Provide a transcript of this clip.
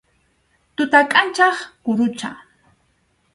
Tuta kʼanchaq kurucha.